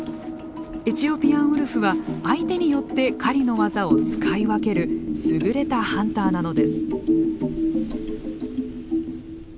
エチオピアンウルフは相手によって狩りの技を使い分ける優れたハンターなのです。